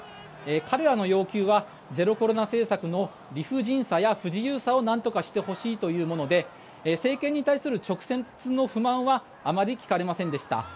彼らの要求はゼロコロナ政策の理不尽さや不自由さを何とかしてほしいというもので政権に対する直接の不満はあまり聞かれませんでした。